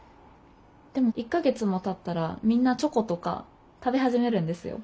でも１か月もたったらみんなチョコとか食べ始めるんですよ。